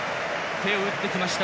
手を打ってきました